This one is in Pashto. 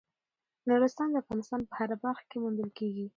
نورستان د افغانستان په هره برخه کې موندل کېږي.